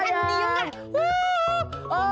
ah diundi yuk ah